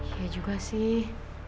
iya juga sih